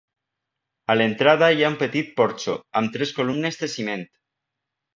A l'entrada hi ha un petit porxo amb tres columnes de ciment.